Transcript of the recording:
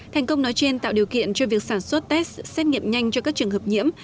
thành công nói trên tạo điều kiện cho việc sản xuất test xét nghiệm nhanh cho các trường hợp nhiễm